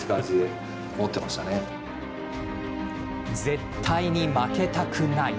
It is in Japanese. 絶対に負けたくない。